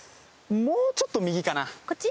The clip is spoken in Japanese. もうちょっと右かなこっち？